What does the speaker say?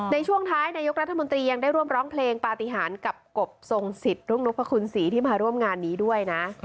ในช่วงท้ายนายกรัฐมนตรียังได้ร่วมร้องเพลงปฏิหารกับกบทรงสิทธิรุ่งนพคุณศรีที่มาร่วมงานนี้ด้วยนะ